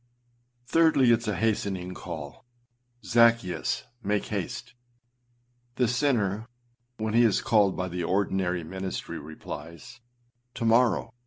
3. Thirdly, it is a hastening call. âZaccheus, make haste.â The sinner, when he is called by the ordinary ministry, replies, âTo morrow.